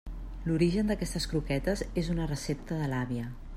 L'origen d'aquestes croquetes és una recepta de l'àvia.